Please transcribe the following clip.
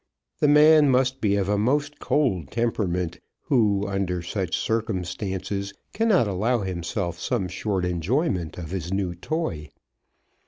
The man must be of a most cold temperament who, under such circumstances, cannot allow himself some short enjoyment of his new toy.